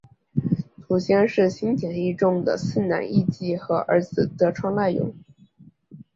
祖先是新田义重的四男义季和儿子得川赖有。